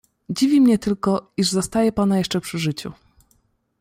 "Dziwi mnie tylko, iż zastaję pana jeszcze przy życiu."